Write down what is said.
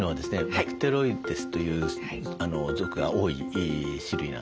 バクテロイデスという属が多い種類なんですね。